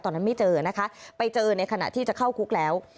ไม่เจอนะคะไปเจอในขณะที่จะเข้าคุกแล้ว